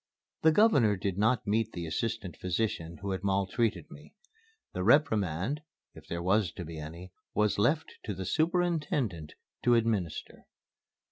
The Governor did not meet the assistant physician who had maltreated me. The reprimand, if there was to be any, was left to the superintendent to administer.